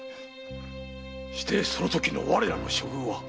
してそのときの我らの処遇は？